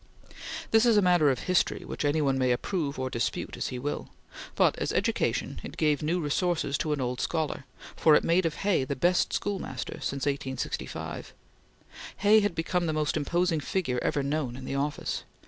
This is a matter of history which any one may approve or dispute as he will; but as education it gave new resources to an old scholar, for it made of Hay the best schoolmaster since 1865. Hay had become the most imposing figure ever known in the office.